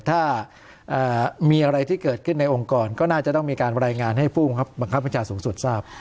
ถ้ามีอะไรที่เกิดขึ้นในองค์กรก็น่าจะต้องมีการรายงานให้ผู้บังคับบัญชาสูงสุดทราบ